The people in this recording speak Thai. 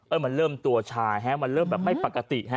มันเริ่มตัวชายฮะมันเริ่มแบบไม่ปกติฮะ